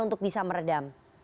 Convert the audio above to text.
untuk bisa meredam